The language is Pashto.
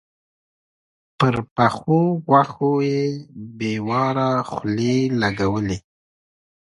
پر پخو غوښو يې بې واره خولې لګولې.